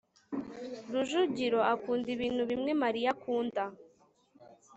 rujugiro akunda ibintu bimwe mariya akunda